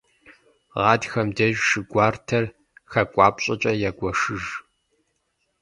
Гъатхэм деж шы гуартэр хакӏуапщӏэкӏэ ягуэшыж.